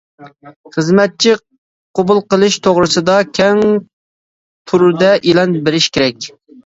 خىزمەتچى قوبۇل قىلىش توغرىسىدا كەڭ تۈردە ئېلان بېرىش كېرەك.